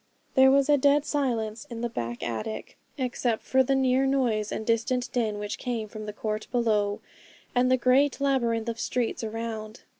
"' There was a dead silence in the back attic, except for the near noise and distant din which came from the court below, and the great labyrinth of streets around.